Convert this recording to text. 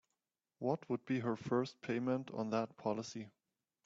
What would be her first payment on that policy?